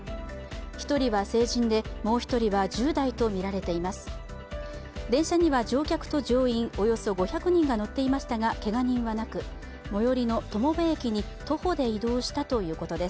１人は成人でもう１人は１０代と見られています。